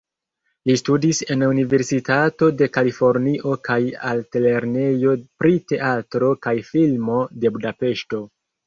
Li studis en Universitato de Kalifornio kaj Altlernejo pri Teatro kaj Filmo de Budapeŝto.